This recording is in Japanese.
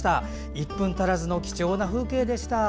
１分足らずの貴重な風景でした。